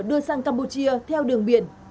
đưa sang campuchia theo đường biển